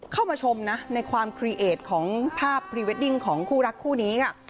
เข้ามาชมนะในความครีเอทของภาพพรีเวดดิ้งของคู่รักคู่นี้ค่ะ